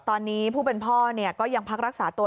ตอนนี้ผู้เป็นพ่อก็ยังพักรักษาตัว